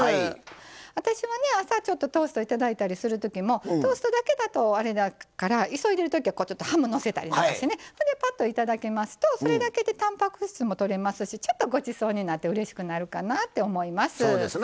私は、ちょっと朝トーストをいただいたりするときトーストだけだと、あれだから急いでるときはハムのせたりしてぱっといただきますとそれだけでたんぱく質もとれますしちょっとごちそうになってうれしくなるかなって思います。